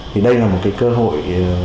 thì đây là một cơ hội